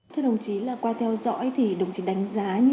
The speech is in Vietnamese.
mức độ nghiêm trọng của vụ cháy rừng xảy ra tại hà tĩnh